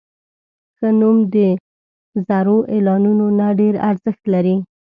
ښه نوم د زرو اعلانونو نه ډېر ارزښت لري.